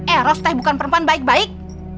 eros teh bukan perempuan baik baik